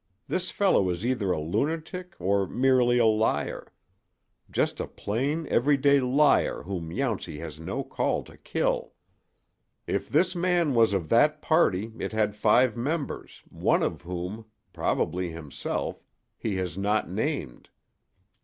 This fellow is either a lunatic or merely a liar—just a plain, every day liar whom Yountsey has no call to kill. If this man was of that party it had five members, one of whom—probably himself—he has not named."